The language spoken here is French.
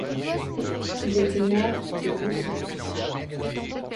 Il était maire de Rousson.